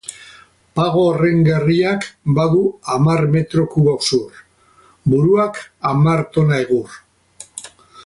Pago horren gerriak badu hamar metro kubo zur, buruak hamar tona egur.